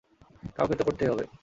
কাউকে তো করতেই হবে।